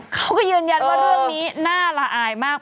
เขาก็ยืนยันว่าเรื่องนี้น่าละอายมาก